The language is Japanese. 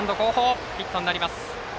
ヒットになります。